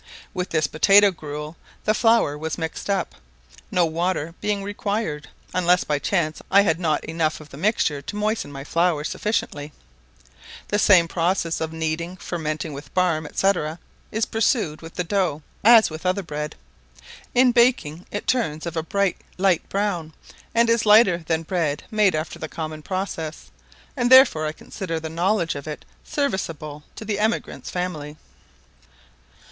With this potatoe gruel the flour was mixed up, no water being required, unless by chance I had not enough of the mixture to moisten my flour sufficiently. The same process of kneading, fermenting with barm, &c., is pursued with the dough, as with other bread. In baking, it turns of a bright light brown, and is lighter than bread made after the common process, and therefore I consider the knowledge of it serviceable to the emigrant's family.